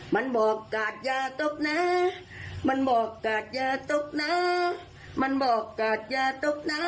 มันบอกกาดอย่าตบนะมันบอกกาดอย่าตบนะมันบอกกาดอย่าตบนะ